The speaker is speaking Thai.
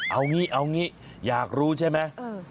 เอางี้เอางี้อยากรู้ใช่ไหม